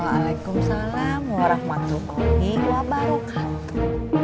waalaikumsalam warahmatullahi wabarakatuh